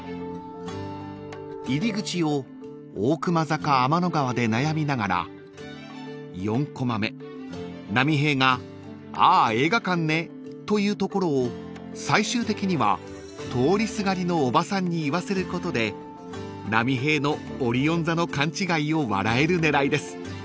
［入り口をおおくま座か天の川で悩みながら４こま目波平が「ああ映画館ね」と言うところを最終的には通りすがりのおばさんに言わせることで波平のオリオン座の勘違いを笑える狙いです］